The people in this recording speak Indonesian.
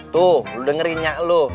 tuh lu dengerin nya lu